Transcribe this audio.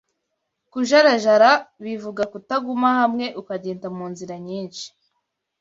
Kujarajara bivuga Kutaguma hamwe ukagenda mu nzira nyinshi